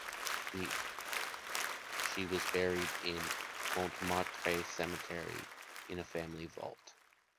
She was buried in Montmartre Cemetery, in a family vault.